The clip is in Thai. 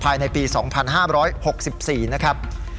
ภายในปี๒๕๖๔นะครับ